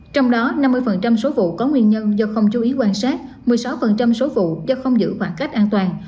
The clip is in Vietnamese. trong đó năm mươi số vụ có nguyên nhân do không chú ý quan sát một mươi sáu số vụ do không giữ khoảng cách an toàn